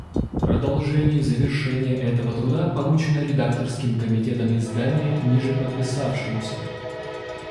Продолжение и завершение этого труда поручено редакторским комитетом издания нижеподписавшемуся.